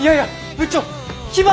部長。